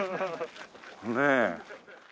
ねえ。